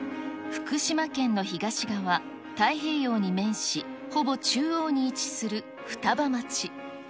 福島県の東側、太平洋に面し、ほぼ中央に位置する双葉町。